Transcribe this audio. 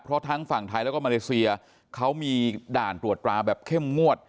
เพราะทั้งฝั่งไทยแล้วก็มาเลเซียเขามีด่านตรวจตราแบบเข้มงวด